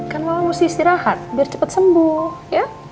kan malem harus istirahat biar cepat sembuh ya